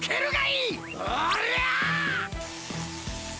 おりゃ！